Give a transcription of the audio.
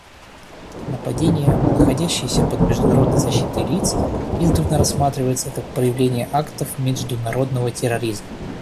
Нападения на находящихся под международной защитой лиц издавна рассматриваются как проявление актов международного терроризма.